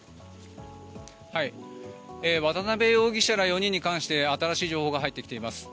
渡邉容疑者ら４人に関して新しい情報が入ってきています。